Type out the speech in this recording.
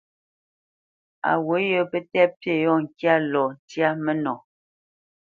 A wǔt yə pə́ tɛ̂ pí yɔ̂ ŋkya lɔ ntyá mə́nɔ.